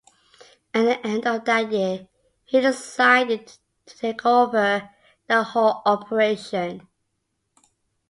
At the end of that year, he decided to take over the whole operation.